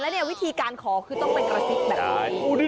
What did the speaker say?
และวิธีการขอคือเป็นกราฟิสแบบนี้